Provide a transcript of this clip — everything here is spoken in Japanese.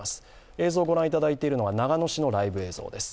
映像ご覧いただいているのは長野市のライブ映像です。